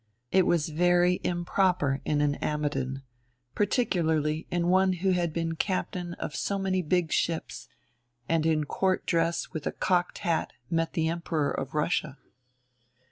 It was very improper in an Ammidon, particularly in one who had been captain of so many big ships, and in court dress with a cocked hat met the Emperor of Russia.